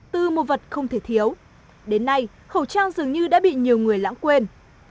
từ một vật không thể thiếu đến nay khẩu trang dường như đã bị nhiều người lãng quên